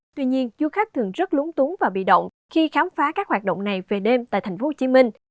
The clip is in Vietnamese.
tuy nhiên du khách thường rất lúng túng và bị động khi khám phá các hoạt động này về đêm tại thành phố hồ chí minh